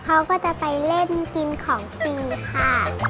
เขาก็จะไปเล่นกินของฟรีค่ะ